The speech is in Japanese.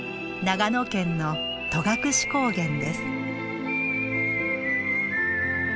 長野県の戸隠高原です。